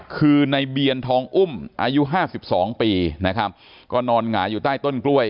คือในเบียนทองอุ้มอายุห้าสิบสองปีนะครับก็นอนหงายอยู่ใต้ต้นกล้วย